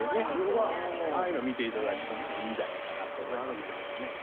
ああいうの見て頂くとねいいんじゃないかなと思いますけどもね。